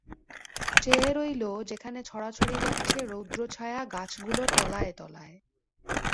চেয়ে রইল যেখানে ছড়াছড়ি যাচ্ছে রৌদ্র ছায়া গাছগুলোর তলায় তলায়।